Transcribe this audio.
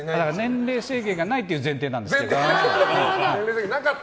年齢制限がないっていう前提なんですけど。